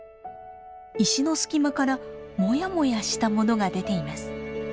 石の隙間からモヤモヤしたものが出ています。